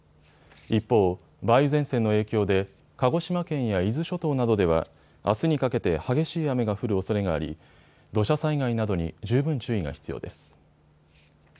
一方、梅雨前線の影響で鹿児島県や伊豆諸島などではあすにかけて激しい雨が降るおそれがあり土砂災害などに十分注意が必要です。